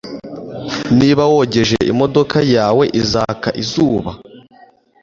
Niba wogeje imodoka yawe izaka izuba